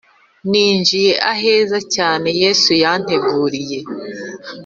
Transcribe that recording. Ninjiye ahera cyane Yesu yanteguriye